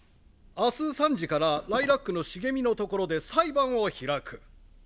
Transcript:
明日３時からライラックの茂みのところで裁判を開く。